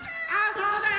そうだよ！